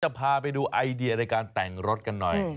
พาไปดูไอเดียในการแต่งรถกันหน่อย